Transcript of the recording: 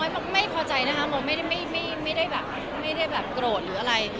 โมโลก็ไม่เชิงไว้ไม่พอใจไม่ได้แบบโกรธหรืออะไร